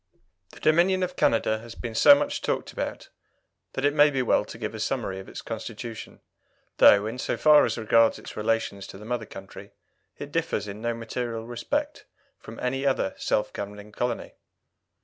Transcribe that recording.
The Dominion of Canada has been so much talked about that it may be well to give a summary of its Constitution, though, in so far as regards its relations to the mother country, it differs in no material respect from any other self governing colony.